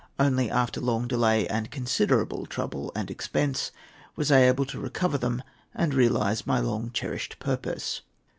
Only after long delay and considerable trouble and expense was I able to recover them and realize my long cherished purpose.